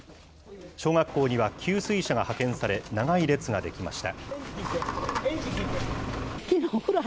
小学校には給水車が派遣され、長い列が出来ました。